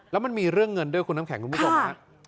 แล้วมันมีเรื่องเงินด้วยคุณน้ำแข็งคุณผู้ชมฮะ